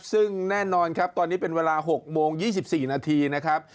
ซึ่งแน่นอนครับตอนนี้เป็นเวลา๖โมง๒๔นาทีนะครับ